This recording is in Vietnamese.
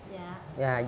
và gồm đường thốt nốt